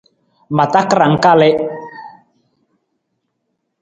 Ma takarang kalii.